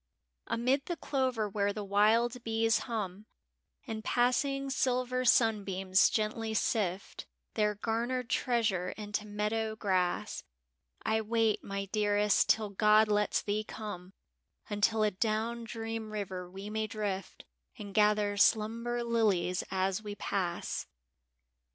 Amid the clover where the wild bees hum And passing silver sunbeams gently sift Their garnered treasure into meadow grass, I wait, my dearest, till God lets thee come — Until adown Dream River we may drift And gather slumber lilies as we pass.